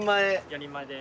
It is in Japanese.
４人前で。